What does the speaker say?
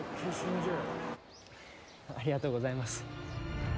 ありがとうございます。